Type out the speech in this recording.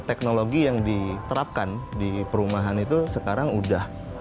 teknologi yang diterapkan di perumahan itu sekarang udah